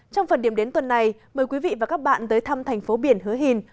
trong phần điểm đến tuần này mời quý vị và các bạn tới thăm thành phố biển hứa hẹn